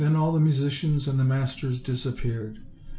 all the musicians and the masters disappeared.